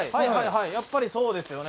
やっぱりそうですよね